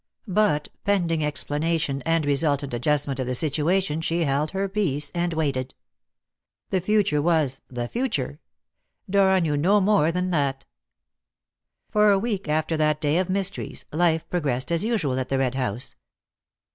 But, pending explanation and resultant adjustment of the situation, she held her peace, and waited. The future was the future. Dora knew no more than that. For a week after that day of mysteries, life progressed as usual at the Red House.